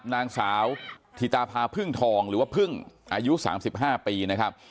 นางสาวธิตาพาพึ่งทองหรือว่าพึ่งอายุ๓๕ปีนะครับ